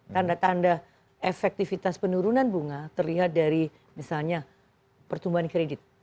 tanda tanda efektivitas penurunan bunga terlihat dari misalnya pertumbuhan kredit